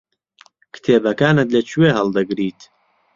کتێبەکانت لەکوێ هەڵدەگریت؟